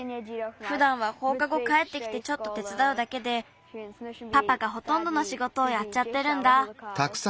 ふだんはほうかごかえってきてちょっとてつだうだけでパパがほとんどのしごとをやっちゃってるんだ。